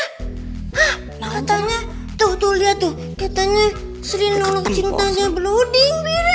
hah katanya tuh tuh lihat tuh katanya sri nolak cintanya brody bira